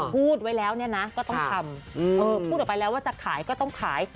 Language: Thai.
พูดไว้แล้วเนี่ยนะก็ต้องทำพูดออกไปแล้วว่าจะขายก็ต้องขาย